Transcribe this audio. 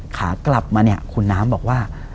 ขากลับมาเนี่ยคุณน้ำบอกว่า